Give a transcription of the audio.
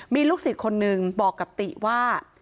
มีลูกศิษย์คนนึงบอกกับติว่า